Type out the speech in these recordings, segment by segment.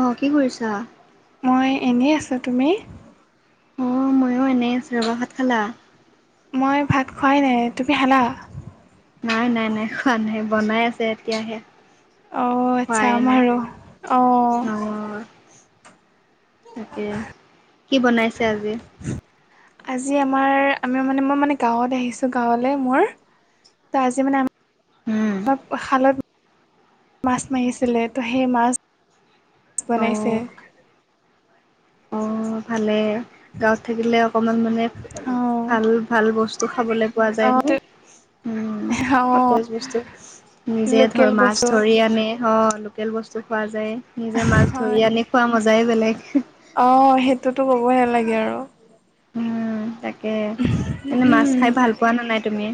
অ কি কৰিছা? মই এনেই আছো তুমি অ ময়ো এনেই আছো ভাত খালা মই ভাত খোৱাই নাই তুমি খালা নাই নাই নাই খোৱা নাই বনাই আছে এতিয়াহে অঁ আচ্ছা খোৱাই নাই আমাৰো অঁ অ তাকে কি বনাইছে আজি আজি আমাৰ আমি মানে মই মানে গাঁৱত আহিছো গাঁৱলে মোৰ ত আজি মানে উম আমাৰ শালত মাছ মাৰিছিলে ত' সেই মাছ অ বনাইছে অ ভালে গাঁৱত থাকিলে অকমান মানে অঁ ভাল ভাল বস্তু খাবলে পোৱা যায় অঁ নহয় উম অঁ সতেজ বস্তু নিজে ধৰ লোকেল মাছ বস্তু ধৰি আনি অ লোকেল বস্তু খোৱা যায় নিজে মাছ ধৰি আনি খোৱা মজাই বেলেগ অ সেইটোতো ক'বই নালাগে আৰু উম তাকে এনেই মাছ উম, খাই ভাল পোৱা নে নাই তুমি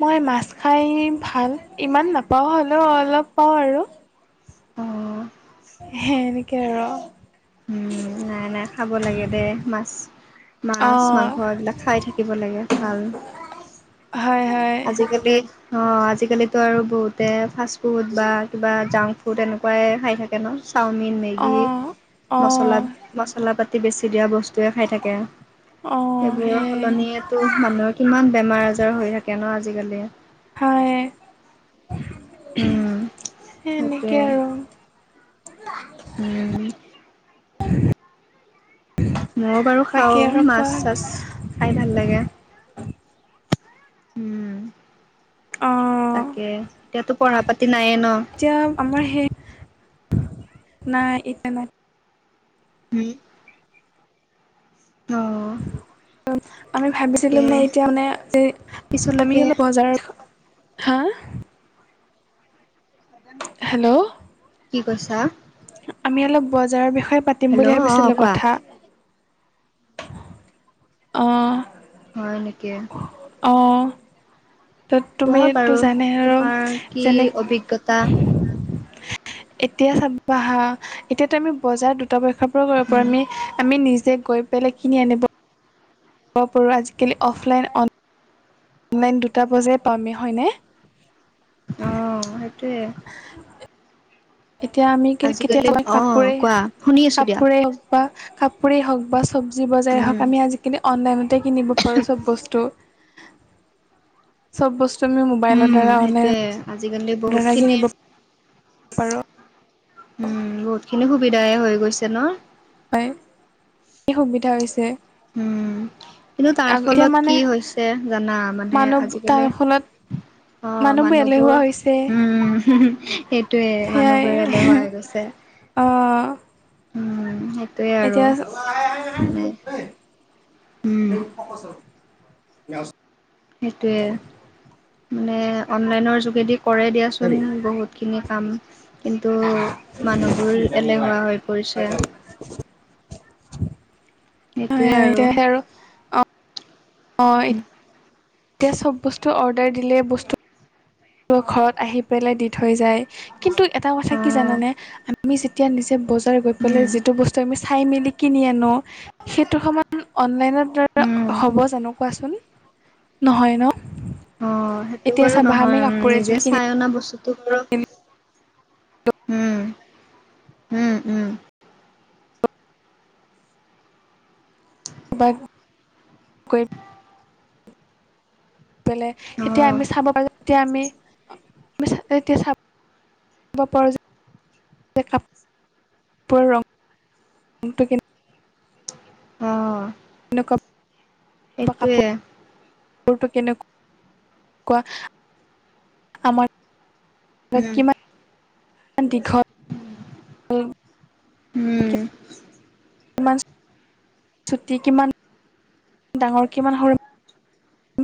মই মাছ খাই ভাল ইমান নাপাও হ'লেও অলপ পাও আৰু অ সে এনেকে আৰু উম নাই নাই খাব লাগে দে মাছ মাছ অঁ মাংস এইবিলাক খাই থাকিব লাগে ভাল হয় হয় আজি কালি অ আজিকালিতো আৰু বহুতে ফাষ্ট ফুড বা কিবা জাংক ফুড এনেকোৱাই খাই থাকে ন চাওমিন মেগী অ', মছলা অ', মচলা পাতি বেছি দিয়া ব স্তুয়ে খাই থাকে অ', সেইবোৰৰ সেই সলনিয়েতো মানুহৰ কিমান বেমাৰ আজাৰ হৈ থা গলে হয় উম, সে সেইটোৱে এনেকে আৰু উম মই বাৰু খাও বাকী আৰু মাছ কোৱা চাছ খাই ভাল লাগে উম অ', তাকে এতিয়াতো পঢ়া পাতি নাইয়ে ন এতিয়া আমাৰ সেই নাই এতিয়া নাই উম অ আমি ভাবিছিলো তাকে মানে এতিয়া মানে আমি পিছলৈকে অলপ বজাৰত হা [inaudible] হেল্ল'! কি কৈছা? আমি অলপ বজাৰৰ বিষয়ে পাতিম হেল্ল' বুলি অ ভাবিছিলোঁ কোৱা কথা। অঁ। হয় নেকি? অঁ। ত' কোৱা তুমিতো বাৰু জানে আৰু, তোমাৰ কি যেনে অভিজ্ঞতা এতিয়া চাবা হা, এতিয়াতো আমি বজাৰ দুটা পক্ষৰ উম [unintelligible] আমি নিজৰ গৈ পেলে কিনি আনিব [unintelligible] আজিকালি অফলাইন, অন অনলাইন দুটা বজাই পাও আমি হয়নে? অ' সেইটোৱে। এতিয়া আমি আজিকালি কেতিয়াবা অ কাপোৰে কোৱা শুনি আছো দিয়া কাপোৰে হওঁক বা কাপোৰেই হওক বা চব্জি বজাৰে উম হওক, আমি আজিকালি অনলাইনতে কিনিব পাৰোঁ চব বস্তু। চব বস্তু আমি মোবাইলৰ উম দ্বাৰা অনলাইন সেইটোৱে আজিকালি বহুত খিনি পাৰোঁ উম, বহুতখিনি সুবিধাই হয় গৈছে ন? হয়, [unintelligible] সুবিধা হৈছে। উম। কিন্তু তাৰ এতিয়া ফলত মানে কি হৈছে জানা, মানে মানুহ তাৰ আজিকালি ফলত অ', মানুহবোৰ এলেহুৱা হৈছে মানুহবোৰ-উম সেইটোয়ে সেয়াই মানুহবোৰ এলেহুৱা হৈ গৈছে। অ'। উম সেই এতিয়া উম [unintelligible] সেইটোৱে, মানে অনলাইনৰ যোগেদি কৰে দিয়াচোন বহুত খিনি কাম কিন্তু মানুহবোৰ এলেহুৱা হৈ পৰিছে। সেইটোয়ে হয় আৰু। এতিয়া অ' উম। এতিয়া চব বস্তু অৰ্ডাৰ দিলে বস্তু ঘৰত আহি পেলাই দি থৈ যায়, কিন্তু এটা অ কথা কি জানানে? আমি যেতিয়া নিজে বজাৰ গৈ পেলাই উম যিটো বস্তু আমি চাই-মেলি কিনি আনো, সেইটো সমান অনলাইনত উম [unintelligible] হ'ব জানো, কোৱাচোন- নহয় ন? অ', সেইটো এতিয়া বাৰু চাবা আমি নহয়। উম, কাপোৰ এযোৰ নিজে কিনি চাই অনা বস্তুটো বাৰু উম, উম, উম। বা পেলে অ এতিয়া আমি চাব পাৰো, তেতিয়া আমি এতিয়া চাব পাৰোঁ যে কাপোৰ ৰংটো কেনে অ'। নেকুৱা, কাপোৰ সেইটোৱে কাপোৰটো কেনেকুৱা? উম [inaudible] উম। কিমান ছুটি, কিমান ডাঙৰ, কিমান সৰু।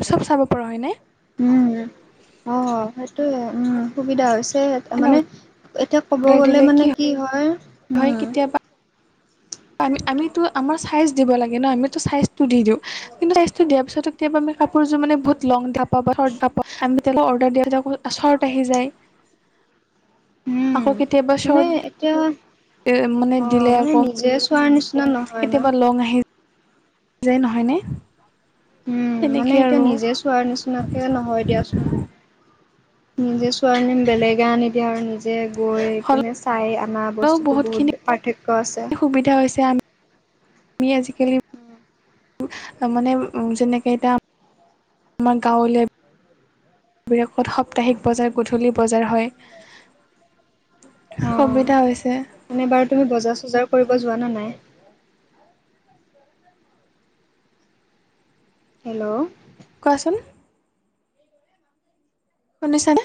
চব চাব পাৰোঁ হয় নে? উম, অ' সেইটোৱে উম, সুবিধা হৈছে। মানে, অৰ্ডাৰ এতিয়া ক'ব গ'লে মানে কি হয় হয় উম। কেতিয়াবা আমিতো আমাৰ চাইজ দিব লাগে ন' আমিতো চাইজটো দি দিওঁ কিন্তু চাইজটো দিয়াৰ পিছতে কেতিয়াবা আমি কাপোৰযোৰ মানে বহুত লং টাইপৰ বা [unintelligible] অৰ্ডাৰ দিয়া শৰ্ট আহি যায়। [inaudible] উম, আকৌ কেতিয়াবা মানে চৰ্ট। এতিয়া অ মানে আকৌ নিজে চোৱাৰ নিচিনা নহয় ন। কেতিয়াবা লং আহি যায় নহয়নে। উম মানে তেনেকে এতিয়া আৰু নিজে চোৱাৰ নিচিনাকে নহয়। দিয়াচোন নিজে চোৱোৱাৰ নিম বেলেগে আনি দিয়ে আৰু নিজেয় যে গৈ হ'লেও পিনে চাই আমাৰ বস্তুটো বহুতখিনি বহুত পাৰ্থক্য আছে। সুবিধা হৈছে আম তুমিয়ে আজিকালি মানে যেনেকে এতিয়া আমাৰ গাঁৱলৈ সাপ্তাহিক বজাৰ গধূলি বজাৰ হয়। অ', সুবিধা হৈছে। এনে বাৰু তুমি বজাৰ চজাৰ কৰিব যোৱা নে নাই। হেল্ল'। কোৱাচোন। শুনিছানে?